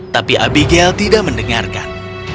tapi abigail tidak mendengarkan